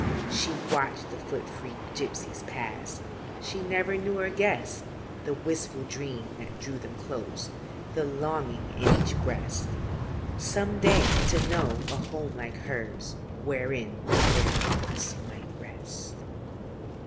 She watched the foot free gypsies pass; She never knew or guessed The wistful dream that drew them close The longing in each breast Some day to know a home like hers, Wherein their hearts might rest.